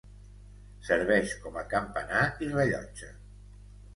Serveix com a campanar i rellotge.